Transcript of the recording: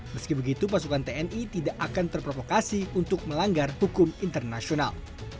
meski begitu pasukan tni tidak akan terprovokasi untuk melanggar hukum internasional